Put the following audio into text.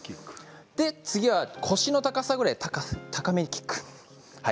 次は腰の高さぐらいまで高めにキック。